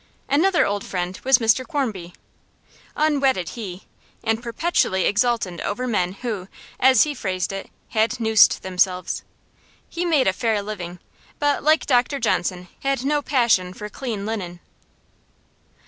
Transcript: Another old friend was Mr Quarmby. Unwedded he, and perpetually exultant over men who, as he phrased it, had noosed themselves. He made a fair living, but, like Dr Johnson, had no passion for clean linen.